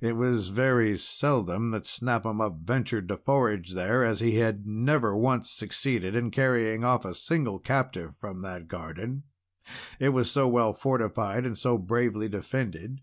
It was very seldom that Snap 'Em Up ventured to forage there, as he had never once succeeded in carrying off a single captive from that garden, it was so well fortified and so bravely defended.